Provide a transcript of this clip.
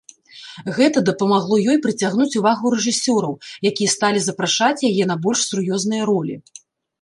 Гэта дапамагло ёй прыцягнуць увагу рэжысёраў, якія сталі запрашаць яе на больш сур'ёзныя ролі.